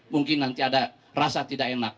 mungkin nanti ada rasa tidak enak